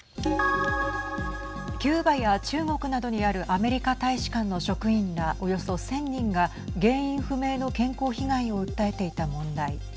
キューバや中国などにあるアメリカ大使館の職員らおよそ１０００人が原因不明の健康被害を訴えていた問題。